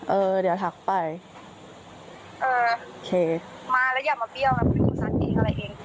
เออเดี๋ยวทักไปเออโอเคมาแล้วอย่ามาเบี้ยวนะไปดูซัดเองอะไรเอง